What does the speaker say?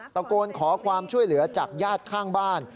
ตะโกนขอความช่วยเหลือจากญาติข้างบ้าน